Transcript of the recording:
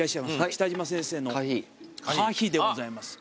北島先生の歌碑でございます。